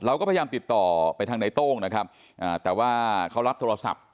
เราก็พยายามติดต่อไปทางในโต้งนะครับอ่าแต่ว่าเขารับโทรศัพท์